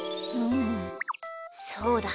そうだね。